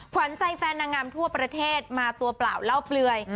ขวัญใจแฟนนางงามทั่วประเทศมาตัวเปล่าเล่าเปลือย